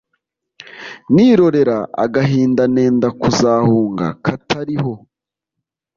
Nirorera agahinda Ntenda kuzahunga Katariho